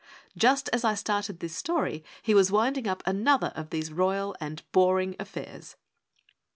Just as I started this story he was winding up another of these royal and boring affairs.